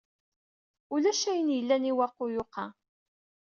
Ulac ayen yellan i waqu yuqa.